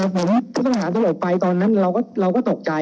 เหมือนทุกคนหาสลบไปตอนนั้นเราก็ตกใจ